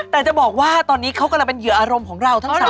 แต่จะบอกว่าตอนนี้เขากำลังเป็นเหยื่ออารมณ์ของเราทั้ง๓